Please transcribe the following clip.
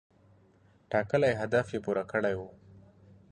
ټاکلی هدف یې پوره کړی و.